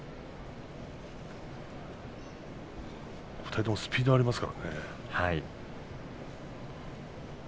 ２人ともスピードがありますからね。